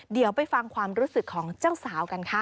เดี๋ยวไปฟังความรู้สึกของเจ้าสาวกันค่ะ